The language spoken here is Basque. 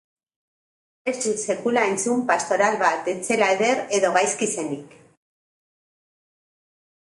Ez dut sekula entzun pastoral bat ez zela eder edo gaizki zenik.